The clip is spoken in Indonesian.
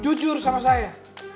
jujur sama saya